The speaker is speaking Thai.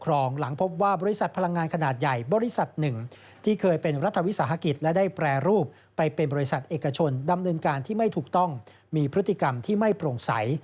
หลังพบว่าบริษัทพลังงานขนาดใหญ่บริษัทหนึ่งที่เคยเป็นรัฐวิสาหกิจและได้แปรรูปไปเป็นบริษัทเอกชนดำเนินการที่ไม่ถูกต้องมีพฤติกรรมที่ไม่โปร่งใส